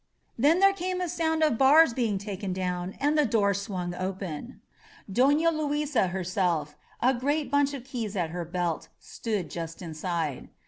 Then there came a sound of bars being taken down, and the door swung open. Dofia Luisa herself, a great bunch of keys at her belt, stood just inside.